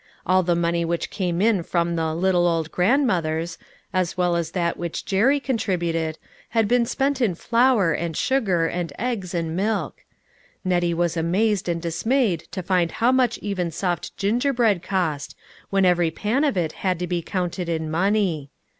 All the money which came in from the "little old grandmothers," as well as that which Jerry con tributed, had been spent in flour, and sugar, and eggs and milk. Nettie was amazed and 374 LITTLE FISHEKS: AND THBIB NETS. dismayed to find how much even soft ginger bread cost, when every pan of it had to be counted in money.